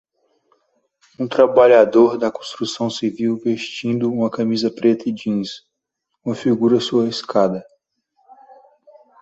Um trabalhador da construção civil vestindo uma camisa preta e jeans? configura sua escada.